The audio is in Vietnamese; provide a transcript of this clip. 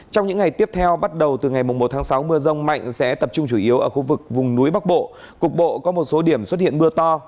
trong những ngày tiếp theo bắt đầu từ ngày một tháng sáu mưa rông mạnh sẽ tập trung chủ yếu ở khu vực vùng núi bắc bộ cục bộ có một số điểm xuất hiện mưa to